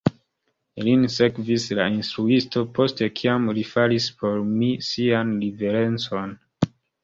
Lin sekvis la instruisto, post kiam li faris por mi sian riverencon.